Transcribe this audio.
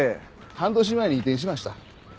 半年前に移転しました。